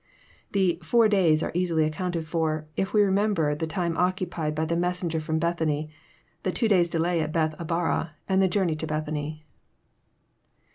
The " four days " are easily accounted for, if we remember the time occupied by the messenger f^om Bethany, the two days' delay at Bethabara, and the Journey to Bethany.